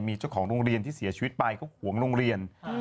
มีเจ้าของโรงเรียนที่เสียชีวิตไปเขาห่วงโรงเรียน